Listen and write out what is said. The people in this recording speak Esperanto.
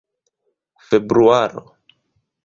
februaro